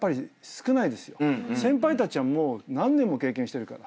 先輩たちはもう何年も経験してるから。